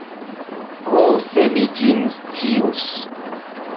Ho, se mi ĝin scius!